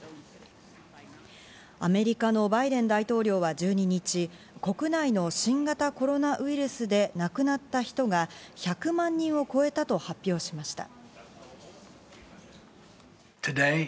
アメリカのバイデン大統領は１２日、国内の新型コロナウイルスで亡くなった人が１００万人を超えたと発表しました。